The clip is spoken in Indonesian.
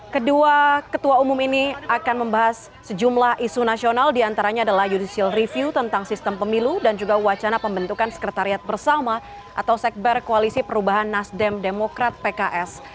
kedua ketua umum ini akan membahas sejumlah isu nasional diantaranya adalah judicial review tentang sistem pemilu dan juga wacana pembentukan sekretariat bersama atau sekber koalisi perubahan nasdem demokrat pks